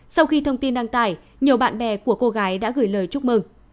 sau khi thông tin đăng tải nhiều bạn bè của cô gái đã gửi lời chúc mừng